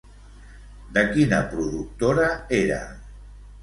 De quina productora era?